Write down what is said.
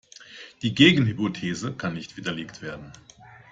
Die Gegenhypothese kann nicht widerlegt werden.